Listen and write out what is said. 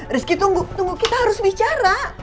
rizky tunggu kita harus bicara